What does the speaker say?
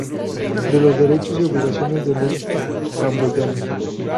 De los derechos y obligaciones de los camboyanos.